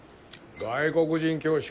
外国人教師か。